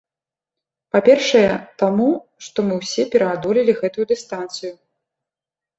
Па-першае, таму, што мы ўсе пераадолелі гэтую дыстанцыю.